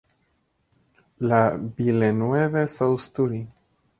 La Villeneuve-sous-Thury